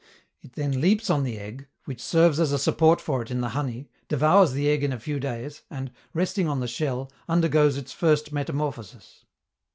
It then leaps on the egg, which serves as a support for it in the honey, devours the egg in a few days, and, resting on the shell, undergoes its first metamorphosis.